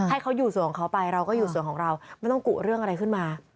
ให้เขาอยู่ส่วนของเขาไปเราก็อยู่ส่วนของเราไม่ต้องกุเรื่องอะไรขึ้นมา